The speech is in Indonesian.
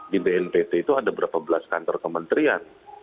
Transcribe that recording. di bnpt itu ada berapa belas kantor kementerian